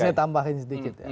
saya tambahin sedikit ya